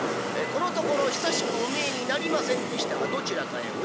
『このところ久しくお見えになりませんでしたがどちらかへお出かけで？』。